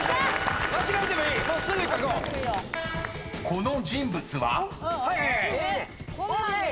［この人物は？］